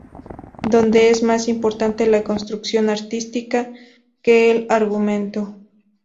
Dónde es más importante la construcción artística que el argumento.